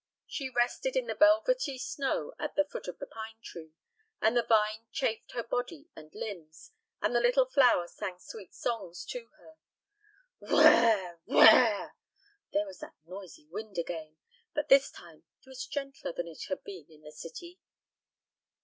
She rested in the velvety snow at the foot of the pine tree, and the vine chafed her body and limbs, and the little flower sang sweet songs to her. "Whirr r r, whirr r r!" There was that noisy wind again, but this time it was gentler than it had been in the city.